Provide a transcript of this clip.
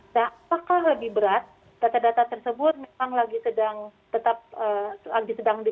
nah apakah lebih berat data data tersebut memang sedang dikeliti